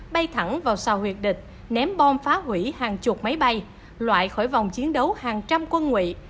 bay thẳng vào xào huyệt địch ném bom phá hủy hàng chục máy bay loại khỏi vòng chiến đấu hàng trăm quân nguyện